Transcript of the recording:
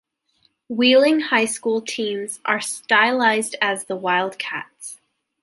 Wheeling High School teams are stylized as the Wildcats.